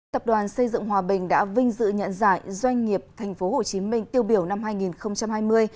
tập đoàn xây dựng hòa bình đã vinh dự nhận giải doanh nghiệp tp hcm tiêu biểu năm hai nghìn hai mươi